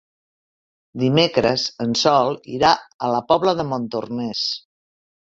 Dimecres en Sol irà a la Pobla de Montornès.